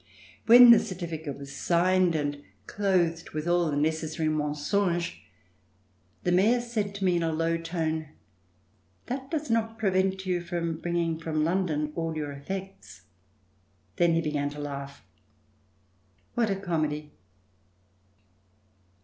When the certificate was signed and clothed with all the necessary mensonges, the Mayor said to me in a low tone: ''That does not prevent you from bringing from London all your effects." Then he began to laugh. What a comedy!